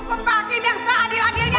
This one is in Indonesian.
hukum pak kim yang seadil adilnya